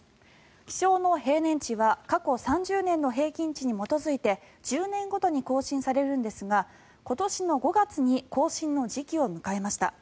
気象の平年値は過去３０年の平均値に基づいて１０年ごとに更新されるんですが今年の５月に更新の時期を迎えました。